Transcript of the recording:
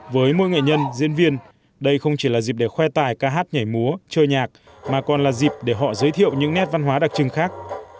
với mỗi nghệ nhân diễn viên đây không chỉ là dịp để khoe tài ca hát nhảy múa chơi nhạc mà còn là dịp để họ giới thiệu những nét văn hóa đặc trưng khác